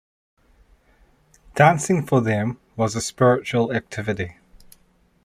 Dancing, for them, was a spiritual activity.